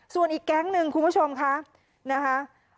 ส่วนอีกแก๊งหนึ่งคุณผู้ชมค่ะนะคะ